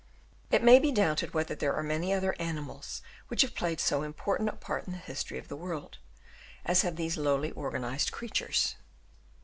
It may be doubted whether there are many other animals which have played so important a part in the history of the world, as have these lowly organised creatures.